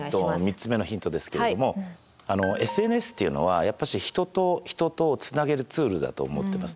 ３つ目のヒントですけれどもＳＮＳっていうのはやっぱし人と人とをつなげるツールだと思ってます。